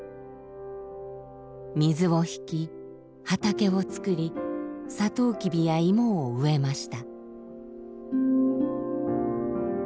水を引き畑を作りサトウキビやイモを植えました。